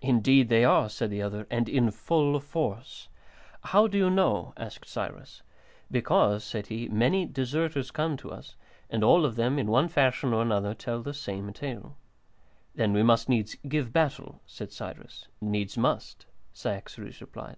"Indeed they are," said the other, "and in full force." "How do you know?" asked Cyrus. "Because," said he, "many deserters come to us, and all of them, in one fashion or another, tell the same tale." "Then we must give battle?" said Cyrus. "Needs must," Cyaxares replied.